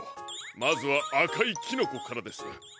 まずはあかいキノコからです。